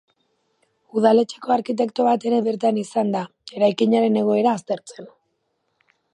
Udaletxeko arkitekto bat ere bertan izan da, eraikinaren egoera aztertzen.